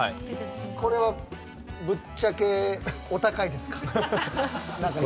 これは、ぶっちゃけお高いですか？